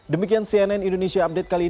demikian cnn indonesia update kali ini